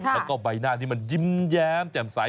แล้วก็ใบหน้าที่มันยิ้มแย้มแจ่มใส